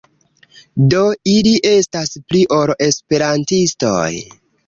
Do ili estas pli ol Esperantistoj.